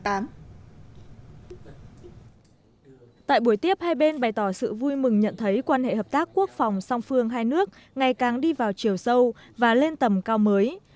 tại buổi tiếp hai bên bày tỏ sự vui mừng nhận thấy quan hệ hợp tác quốc phòng song phương hai nước ngày càng đi vào chiều sâu và lên tầm cao mới